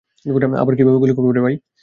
আবার কীভাবে গুলি করব?